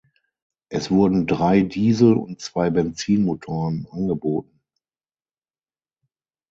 Es wurden drei Diesel und zwei Benzinmotoren angeboten.